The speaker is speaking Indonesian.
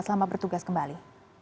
selamat bertugas kembali